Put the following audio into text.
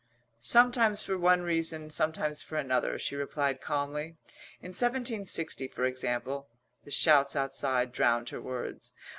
"Sometimes for one reason, sometimes for another," she replied calmly. "In 1760, for example " The shouts outside drowned her words.